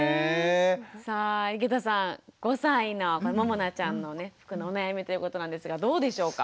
さあ井桁さん５歳のももなちゃんの服のお悩みということなんですがどうでしょうか？